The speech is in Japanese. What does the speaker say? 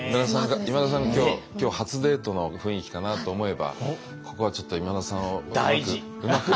今田さんが今日初デートの雰囲気かなと思えばここはちょっと今田さんをうまく。